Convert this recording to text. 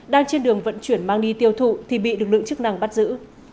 đang trên đường vận chuyển mang đi tiêu thụ thì bị lực lượng chức năng bắt giữ